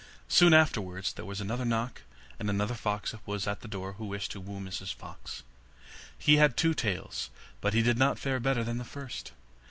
Soon afterwards there was another knock, and another fox was at the door who wished to woo Mrs Fox. He had two tails, but he did not fare better than the first.